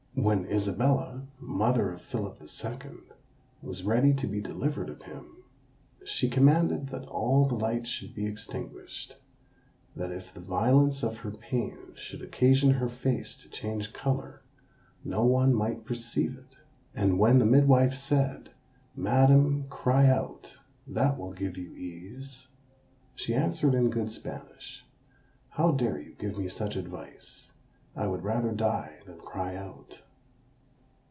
When Isabella, mother of Philip II., was ready to be delivered of him, she commanded that all the lights should be extinguished: that if the violence of her pain should occasion her face to change colour, no one might perceive it. And when the midwife said, "Madam, cry out, that will give you ease," she answered in good Spanish, "How dare you give me such advice? I would rather die than cry out."